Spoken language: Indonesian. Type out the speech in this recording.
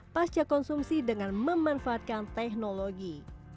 pasca konsumsi dengan memanfaatkan teknologi